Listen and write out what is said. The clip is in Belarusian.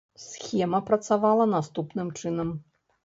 Схема працавала наступным чынам.